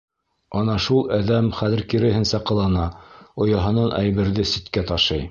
Ана шул әҙәм хәҙер киреһенсә ҡылана: ояһынан әйберҙе ситкә ташый.